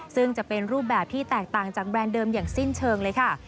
ซึ่งจะเป็นรูปแบบที่แตกต่างจากแบรนด์เดิมอย่างสิ้นเชิงเลยค่ะ